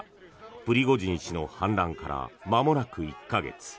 プリゴジン氏の反乱からまもなく１か月。